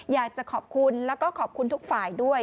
อยากจะขอบคุณแล้วก็ขอบคุณทุกฝ่ายด้วย